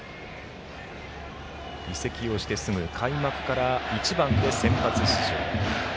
移籍をしてすぐ開幕から１番で先発出場。